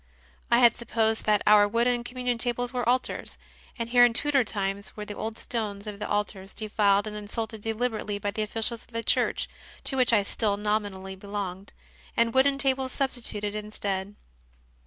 I had supposed that our wooden Communion tables were altars, and here in Tudor times were the old stones of the altars defiled and insulted deliberately by the officials of n8 CONFESSIONS OF A CONVERT the Church to which I still nominally belonged, and wooden tables substituted instead.